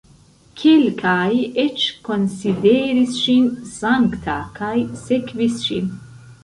Kelkaj eĉ konsideris ŝin sankta kaj sekvis ŝin.